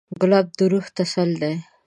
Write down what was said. ګلاب د روح تسل دی.